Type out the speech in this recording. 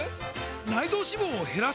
内臓脂肪を減らす！？